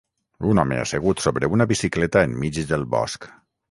Un home assegut sobre una bicicleta enmig del bosc